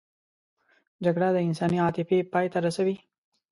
جګړه د انساني عاطفې پای ته رسوي